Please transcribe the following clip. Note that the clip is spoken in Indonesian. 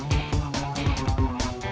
gak ada apa apa